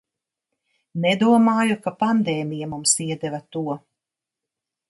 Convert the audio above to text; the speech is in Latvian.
Nedomāju, ka pandēmija mums iedeva to...